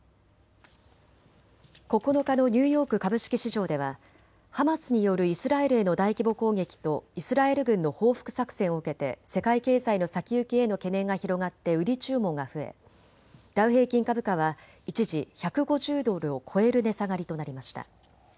９日のニューヨーク株式市場ではハマスによるイスラエルへの大規模攻撃とイスラエル軍の報復作戦を受けて世界経済の先行きへの懸念が広がって売り注文が増えダウ平均株価は一時、１５０ドルを超える値下がりとなりました。